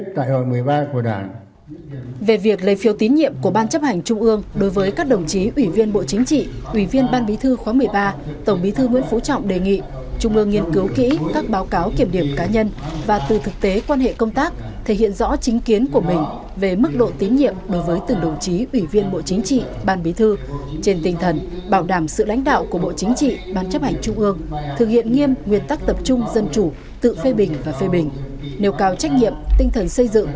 tín nhiệm của ban chấp hành trung ương đối với các đồng chí ủy viên bộ chính trị ủy viên ban bí thư khóa một mươi ba tổng bí thư nguyễn phú trọng đề nghị trung ương nghiên cứu kỹ các báo cáo kiểm điểm cá nhân và từ thực tế quan hệ công tác thể hiện rõ chính kiến của mình về mức độ tín nhiệm đối với từng đồng chí ủy viên bộ chính trị ban bí thư trên tinh thần bảo đảm sự lãnh đạo của bộ chính trị ban chấp hành trung ương thực hiện nghiêm nguyên tắc tập trung dân chủ tự phê bình và phê bình nêu cao trách nhiệm tinh thần xây